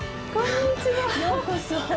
ようこそ。